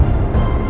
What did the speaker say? aku akan menang